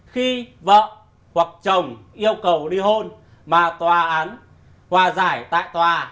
khi vợ hoặc chồng yêu cầu ly hôn mà tòa án hòa giải tại tòa